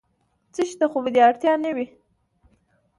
څه شي ته خو به دې اړتیا نه وي؟